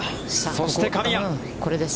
そして、神谷。